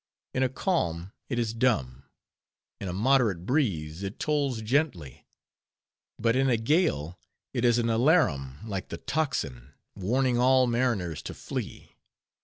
In a calm, it is dumb; in a moderate breeze, it tolls gently; but in a gale, it is an alarum like the tocsin, warning all mariners to flee.